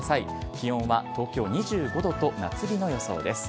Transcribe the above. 気温は東京２５度と夏日の予想です。